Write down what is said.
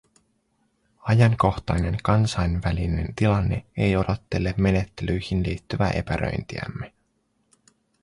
Ajankohtainen kansainvälinen tilanne ei odottele menettelyihin liittyvää epäröintiämme.